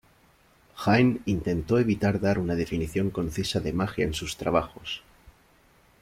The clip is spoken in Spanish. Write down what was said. Hine intentó evitar dar una definición concisa de magia en sus trabajos.